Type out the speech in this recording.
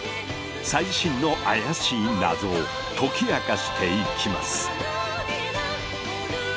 最新の怪しい謎を解き明かしていきます。